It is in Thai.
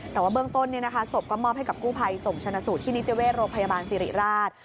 แต่ว่าเบื้องต้นศพก็มอบให้กับกู้ภัยส่งชนะสูตรที่นิติเวชโรงพยาบาลสิริราช